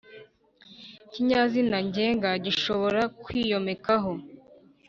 ikinyazina ngenga gishobora kwiyomekaho